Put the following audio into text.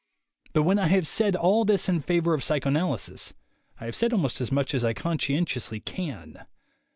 But when I have said all this in favor of psycho analysis, I have said almost as much as I conscien tiously can.